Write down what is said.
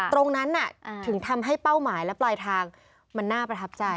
ตรงนั้นถึงทำให้เป้าหมายและปลายทางมันน่าประทับใจ